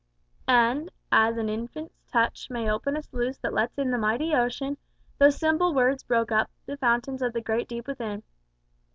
And, as an infant's touch may open a sluice that lets in the mighty ocean, those simple words broke up the fountains of the great deep within.